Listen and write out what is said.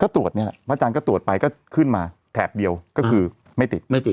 ก็ตรวจนี่แหละพระอาจารย์ก็ตรวจไปก็ขึ้นมาแถบเดียวก็คือไม่ติดไม่ติด